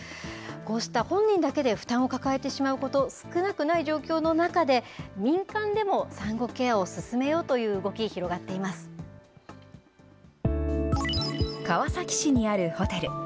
こうした本人だけで負担を抱えてしまうこと、少なくない状況の中で、民間でも産後ケアを進めよう川崎市にあるホテル。